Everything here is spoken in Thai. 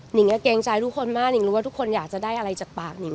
นิงเกรงใจทุกคนมากนิ่งรู้ว่าทุกคนอยากจะได้อะไรจากปากหิง